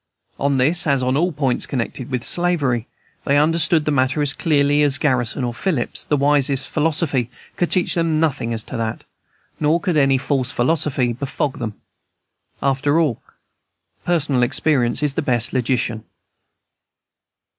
On this, as on all points connected with slavery, they understood the matter as clearly as Garrison or Phillips; the wisest philosophy could teach them nothing as to that, nor could any false philosophy befog them. After all, personal experience is the best logician.